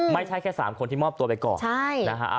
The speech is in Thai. ไม่ใช่แค่สามคนที่มอบตัวไปเกาะ